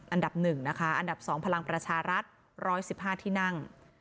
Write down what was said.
อันดับหนึ่งนะคะอันดับสองพลังประชารัฐร้อยสิบห้าที่นั่ง